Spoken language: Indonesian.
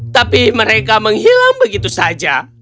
tapi mereka menghilang begitu saja